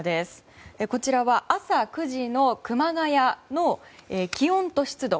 こちらは、朝９時の熊谷の気温と湿度。